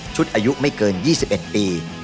อายุไม่เกิน๒๑ปี